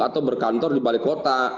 atau berkantor di balai kota